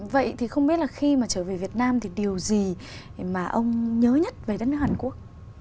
vậy thì không biết là khi mà trở về việt nam thì điều gì mà ông nhớ nhất về đất nước hàn quốc